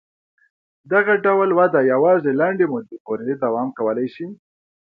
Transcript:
دغه ډول وده یوازې لنډې مودې پورې دوام کولای شي.